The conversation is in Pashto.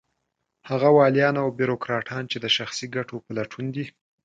هغه واليان او بېروکراټان چې د شخصي ګټو په لټون دي.